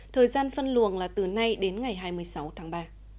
thời gian phân luồng là từ nay đến ngày hai mươi sáu tháng ba